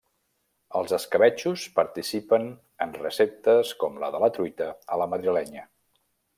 Els escabetxos participen en receptes com la de la truita a la madrilenya.